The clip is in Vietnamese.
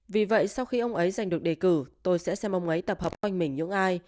vì vậy sau khi ông ấy giành được đề cử tôi sẽ xem ông ấy tập học quanh mình những ai